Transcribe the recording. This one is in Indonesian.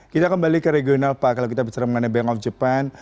kita kembali ke regional pak kalau kita bicara mengenai bank of japan